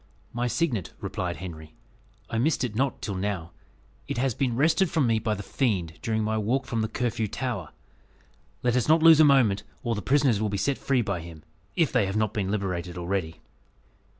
"My signet," replied Henry, "I missed it not till now. It has been wrested from me by the fiend, during my walk from the Curfew Tower. Let us not lose a moment, or the prisoners will be set free by him, if they have not been liberated already."